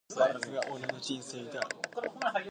Also, the Galois module structure of has been determined.